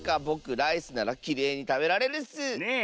ぼくライスならきれいにたべられるッス！